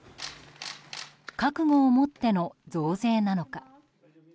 覚悟を持っての増税なのか。